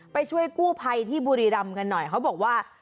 ไปช่วยกู้ภัยที่บุรีรำกันหน่อยเขาบอกว่า